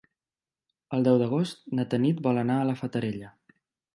El deu d'agost na Tanit vol anar a la Fatarella.